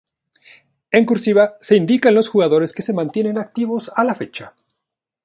En "cursiva" se indican los jugadores que se mantienen activos a la fecha.